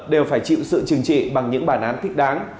đều phải chịu sự trừng trị bằng những bản án thích đáng